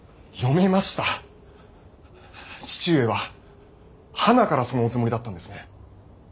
父上ははなからそのおつもりだったんですね。